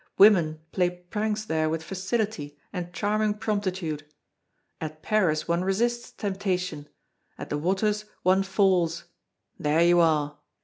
Women play pranks there with facility and charming promptitude. At Paris one resists temptation at the waters one falls; there you are!